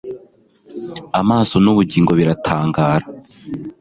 Amaso nubugingo biratangara